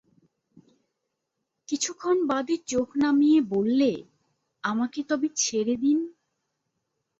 কিছুক্ষণ বাদে চোখ নামিয়ে বললে, আমাকে আপনি তবে ছেড়ে দিন।